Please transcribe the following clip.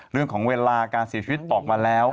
เรื่องของเวลาการเสียชีวิตออกมาแล้ว